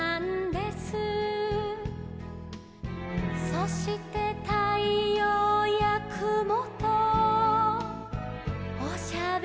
「そしてたいようやくもとおしゃべりしてたんです」